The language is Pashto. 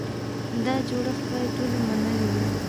دا جوړښت باید ټول منلی وي.